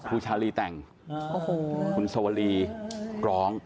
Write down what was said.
ครูชาลีแต่งคุณโซวลีร้อง